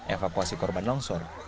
evakuasi korban longsor